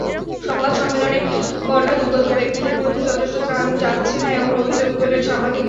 সংবাদ সম্মেলনে বন্যাদুর্গত ব্যক্তিদের মধ্যে যথেষ্ট ত্রাণ যাচ্ছে না—এমন অভিযোগ তোলেন সাংবাদিকেরা।